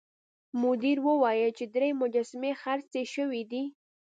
مدیر وویل چې درې مجسمې خرڅې شوې دي.